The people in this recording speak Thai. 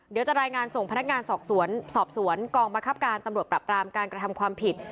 เดี๋ยวจะรายงานส่งพนักงานสอบสวนสอบสวนกองบังคับการตำรวจปรับปรามการกระทำความผิด